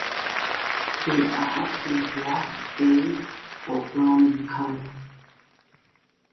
They are often black, bay or brown in color.